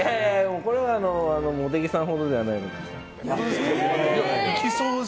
これは茂出木さんほどではないです。